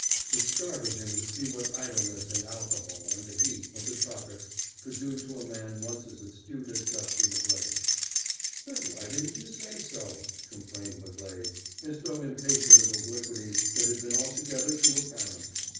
It startled him to see what idleness and alcohol and the heat of the tropics could do to a man once as astute as Dusty McGlade. "Then why didn't you say so?" complained McGlade, as though impatient of obliquities that had been altogether too apparent.